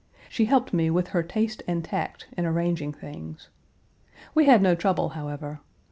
She helped me with her taste and tact in arranging things. We had no trouble, however.